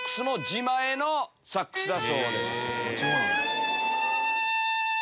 自前のサックスだそうです。